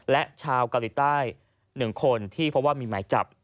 และชาวเกาหลีใต้๑คนที่พบว่ามีหมายจับ